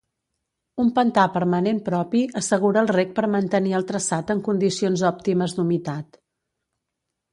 Un pantà permanent propi assegura el reg per mantenir el traçat en condicions òptimes d'humitat.